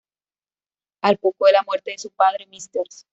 Al poco de la muerte de su padre, Mrs.